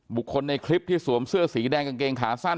บุคคลในคลิปที่สวมเสื้อสีแดงกางเกงขาสั้น